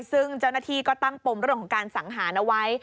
ซึ่งเจ้าหน้าที่ก็ตั้งปมเรื่องของการสังหารเอาไว้